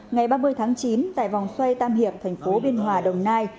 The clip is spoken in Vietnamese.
ngày ba mươi tháng chín tại vòng xoay tam hiệp thành phố biên hòa đồng nai